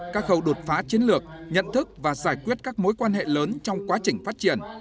các khâu đột phá chiến lược nhận thức và giải quyết các mối quan hệ lớn trong quá trình phát triển